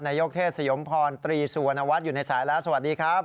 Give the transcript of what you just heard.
นายกเทศสยมพรตรีสุวรรณวัฒน์อยู่ในสายแล้วสวัสดีครับ